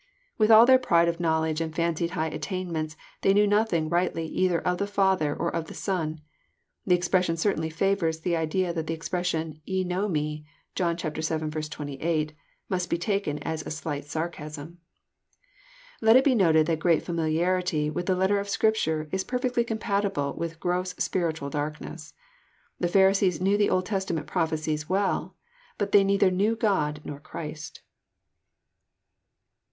With all their pride of knowledge and fancied high attainments tliey knew nothing rightly either of the Father or the Son. The expression certainly favours the idea that the expression *' Ye know me," (John vii. 2Sf) must be taken as a slight sarcasm. Let it be noted that great familiarity with the letter of Scrip ture is perfectly compatible with gross spiritual darkness. The Pharisees knew the Old Testament prophecies well ; but they neither knew God nor Christ.